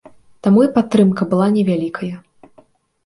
Таму і падтрымка была невялікая.